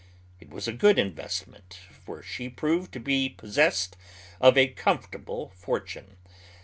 It was a good investment, for she proved to be possessed of a comfortable fortune.